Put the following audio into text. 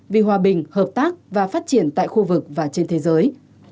vì hòa bình hợp tác và phát triển tại khu vực và trên thế giới